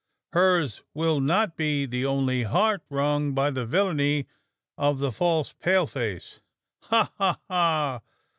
Hers will not be the only heart wrung by the villainy of the false pale face. Ha, ha, ha!